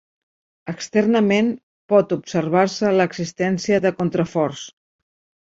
Externament pot observar-se l'existència de contraforts.